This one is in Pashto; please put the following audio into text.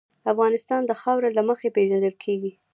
افغانستان د خاوره له مخې پېژندل کېږي.